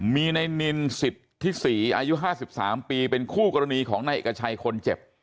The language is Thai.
มีในนินสิทธิศรีอายุ๕๓ปีเป็นคู่กรณีของนายเอกชัยคนเจ็บ